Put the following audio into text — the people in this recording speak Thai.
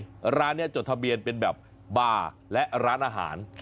ร้านนี้จดทะเบียนเป็นแบบบาร์และร้านอาหาร